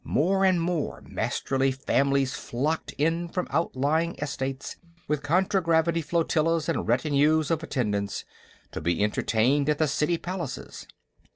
More and more Masterly families flocked in from outlying estates, with contragravity flotillas and retinues of attendants, to be entertained at the city palaces.